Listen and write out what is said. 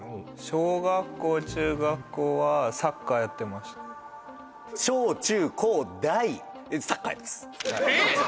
小学校中学校はサッカーやってましたえっ！？